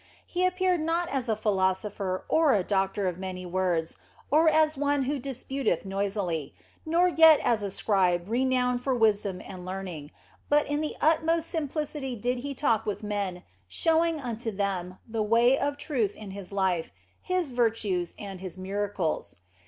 He appeared not as a philosopher or a doctor of many words, or as one who disputeth noisily, nor yet as a scribe renowned for wisdom and learning ; but in the utmost simplicity did He talk with men, showing unto them the way of truth in His life, His virtues, and His miracles.